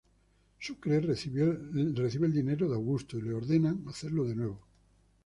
Sucre recibe el dinero de Augusto y le ordenan hacerlo de nuevo.